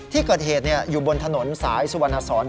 ที่เกิดเหตุอยู่บนถนนสายสุวรรณสอน